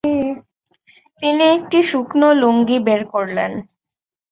তিনি একটি শুকনো লুঙ্গি বের করলেন।